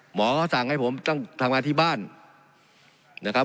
หมอก็สั่งให้ผมต้องทำงานที่บ้านนะครับ